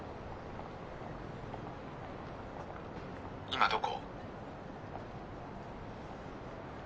今どこ？